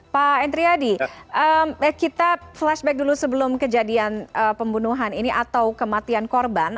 pak entriadi kita flashback dulu sebelum kejadian pembunuhan ini atau kematian korban